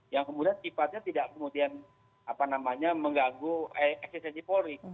yang kemudian sifatnya tidak kemudian mengganggu eksistensi polri